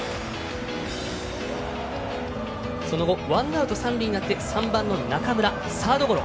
その後ワンアウト、三塁になって３番の中村、サードゴロ。